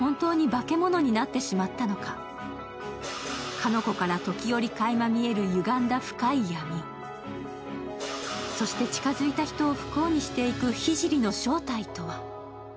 鹿ノ子から時折かいま見えるゆがんだ深い闇そして近づいた人を不幸にしていく聖の正体とは？